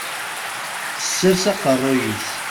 Tessers aqerruy-is.